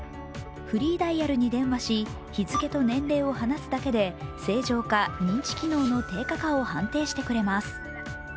フリーダイヤルに電話し日付と年齢を話すだけで正常か認知機能の低下かを判定してくれます。